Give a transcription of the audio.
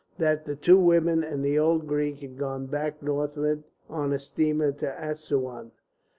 "That the two women and the old Greek had gone back northward on a steamer to Assouan."